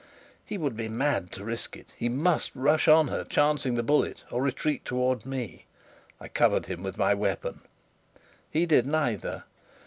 He would be mad to risk it. He must rush on her, chancing the bullet, or retreat towards me. I covered him with my weapon. He did neither.